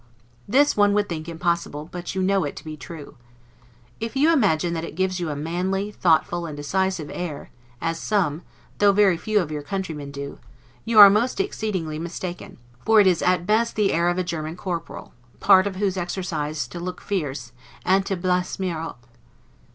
This one would think impossible; but you know it to be true. If you imagine that it gives you a manly, thoughtful, and decisive air, as some, though very few of your countrymen do, you are most exceedingly mistaken; for it is at best the air of a German corporal, part of whose exercise is to look fierce, and to 'blasemeer op'.